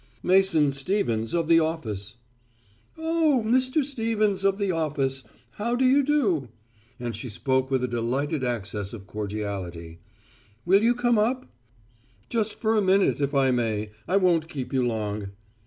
"Mason Stevens of the office." "Oh, Mr. Stevens of the office. How do you do?" and she spoke with a delightful access of cordiality. "Will you come up?" "Just for a minute, if I may. I won't keep you long."